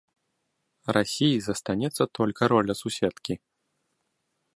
Расіі застанецца толькі роля суседкі.